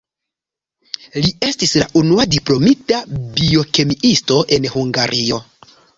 Li estis la unua diplomita biokemiisto en Hungario.